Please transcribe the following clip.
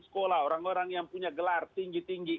sekolah orang orang yang punya gelar tinggi tinggi